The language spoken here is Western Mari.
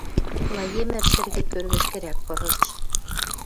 Лаемӹр шӹргӹ кӧргӹшкӹрӓк пырыш.